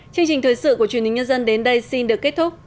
chương trình thời sự của truyền hình nhân dân đến đây xin được kết thúc